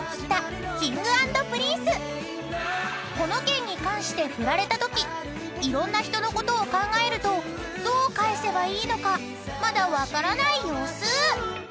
［この件に関して振られたときいろんな人のことを考えるとどう返せばいいのかまだ分からない様子］